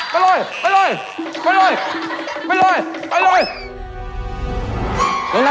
ไปเลยไปเลยไปเลยไปเลยไปเลย